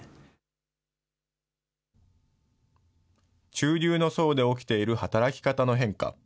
中流の層で起きている働き方の変化。